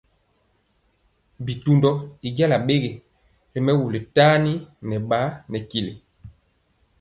Bitundɔ i jala ɓegi ri mɛwul tani nɛ ɓa nɛ tili.